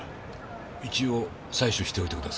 一応採取しておいてください。